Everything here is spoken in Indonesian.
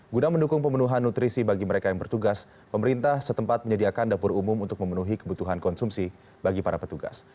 guna mendukung pemenuhan nutrisi bagi mereka yang bertugas pemerintah setempat menyediakan dapur umum untuk memenuhi kebutuhan konsumsi bagi para petugas